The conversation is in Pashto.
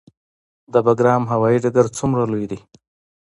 د بګرام هوايي ډګر څومره لوی دی؟